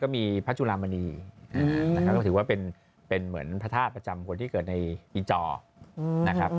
มีพระจุลามณีนะครับก็ถือว่าเป็นเหมือนพระธาตุประจำคนที่เกิดในอีจอนะครับ